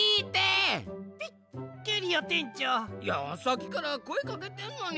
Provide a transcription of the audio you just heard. いやさっきからこえかけてんのに。